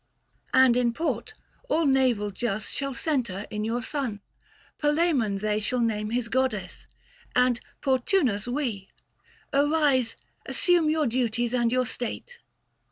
And in port, all naval jus Shall centre in your son. Palaamon they 655 Shall name his godhead, and Portunus we. Arise, assume your duties and your state."